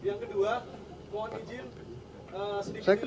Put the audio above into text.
juga mau izin punya pandangan sedikit